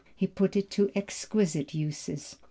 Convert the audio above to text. He put it to exquisite uses.